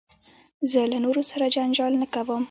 زه له نورو سره جنجال نه کوم.